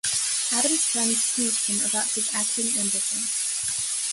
Adams' friends teased him about his acting ambitions.